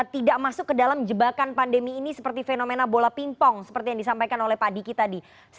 tidak masuk ke dalam jebakan pandemi ini seperti fenomena bola pingpong seperti yang disampaikan oleh pak diki tadi